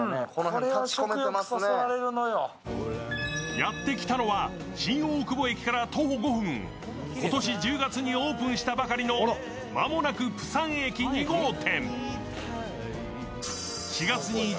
やってきたのは新大久保駅から徒歩５分今年１０月にオープンしたばかりの、まもなく釜山駅２号店。